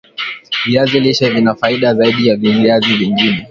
viazi lishe vina faida zaidi ya viazi vingine